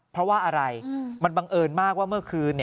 เพราะว่าอะไรมันบังเอิญมากว่าเมื่อคืน